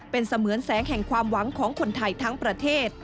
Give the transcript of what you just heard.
เป็นเสมือนแสงแห่งความหวังของคนไทยทั้งประเทศ